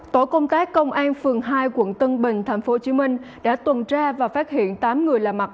tổ công tác công an phường hai quận tân bình thành phố hồ chí minh đã tuần tra và phát hiện tám người là mặt